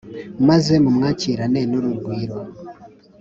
maze mumwakirane n'urugwiro